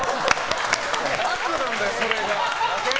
悪なんだよ、それが。